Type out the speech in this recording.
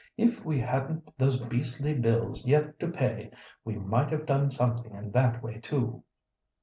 "If we hadn't those beastly bills yet to pay, we might have done something in that way too."